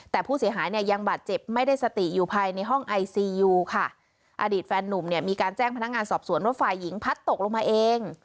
แต่ผู้เสียหายเนี่ยยังบาดเจ็บไม่ได้สติอยู่ภายในห้องไอซียูค่ะอดีตแฟนนุ่มเนี่ยมีการแจ้งพนักงานสอบสวนว่าฝ่ายหญิงพัดตกลงมาเอง